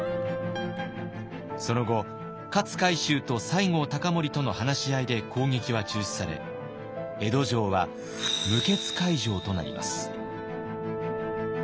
その後勝海舟と西郷隆盛との話し合いで攻撃は中止され江戸城は無血開城となります。